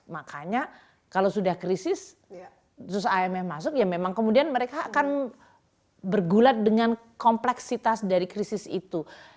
makanya kalau sudah krisis imf masuk ya memang kemudian mereka akan bergulat dengan kompleksitas dari krisis itu